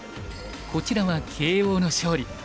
こちらは慶應の勝利。